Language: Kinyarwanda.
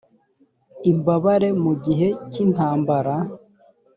imbabare mu gihe cy intambara